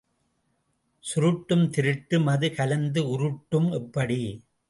சுருட்டும் திருட்டும் அது கலந்த உருட்டும் எப்படி?